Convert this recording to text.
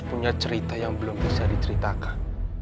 punya cerita yang belum bisa diceritakan